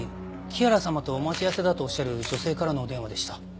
木原様とお待ち合わせだとおっしゃる女性からのお電話でした。